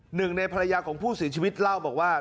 หนึ่งในภรรยาของผู้เสียชีวิตเล่าบอกว่า